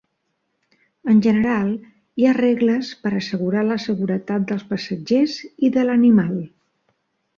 En general, hi ha regles per assegurar la seguretat dels passatgers i de l'animal.